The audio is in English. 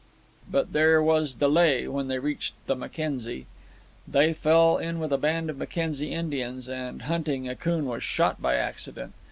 But there was delay when they reached the Mackenzie. They fell in with a band of Mackenzie Indians, and, hunting, Akoon was shot by accident.